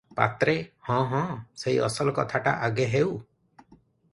ପାତ୍ରେ- ହଁ ହଁ, ସେହି ଅସଲ କଥାଟା ଆଗେ ହେଉ ।